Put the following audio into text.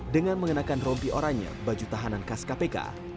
dengan mengenakan rompi oranya baju tahanan khas kpk